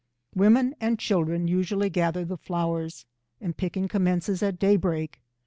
Women and children usually gather the flowers, and picking commences at daybreak.